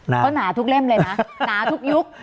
เขาหนาทุกเล่มเลยนะหนาทุกยุค